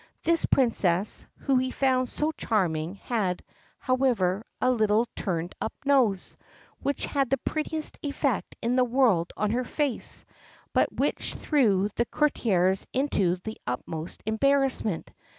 This Princess, whom he found so charming, had, however, a little turned up nose, which had the prettiest effect in the world on her face, but which threw the courtiers into the utmost embarrassment.